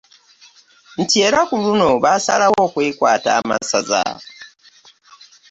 Nti era ku luno baasalawo okwekwata amasaza